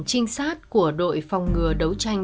trinh sát của đội phòng ngừa đấu tranh